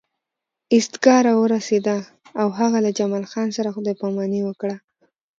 ایستګاه راورسېده او هغه له جمال خان سره خدای پاماني وکړه